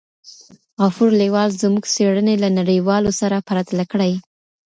غفور لیوال زموږ څېړني له نړیوالو سره پرتله کړې.